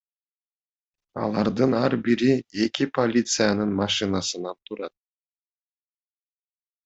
Алардын ар бири эки полициянын машинасынан турат.